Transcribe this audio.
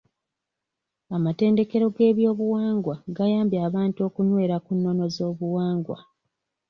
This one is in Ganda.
Amatendekero g'ebyobuwangwa gayambye abantu okunywera ku nnono z'obuwangwa.